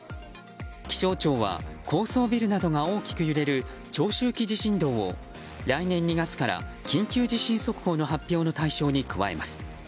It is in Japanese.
気象庁は高層ビルなどが大きく揺れる長周期地震動を来年２月から緊急地震速報の発表の対象に加えます。